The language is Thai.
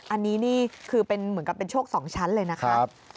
อันนี้คือเหมือนกับเป็นโชค๒ชั้นเลยนะครับ